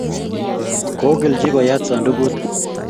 Kokelchi koyat sandukut